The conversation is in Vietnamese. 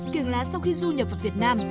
kiềng lá sau khi du nhập vào việt nam